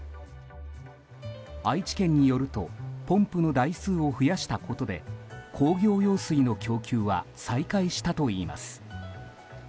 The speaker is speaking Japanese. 愛知県によるとポンプの台数を増やしたことで工業用水の供給は再開したといいます。